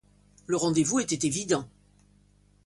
Le rendez-vous était évident.